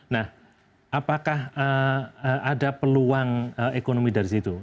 nah apakah ada peluang ekonomi dari situ